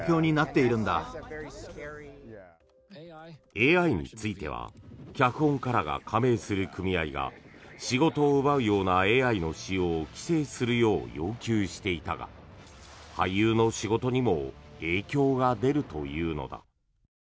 ＡＩについては脚本家らが加盟する組合が仕事を奪うようなＡＩの使用を規制するよう、要求していたが俳優の仕事にも影響が出るというのだ。